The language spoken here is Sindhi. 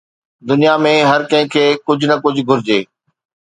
دنيا ۾ هر ڪنهن کي ڪجهه نه ڪجهه گهرجي.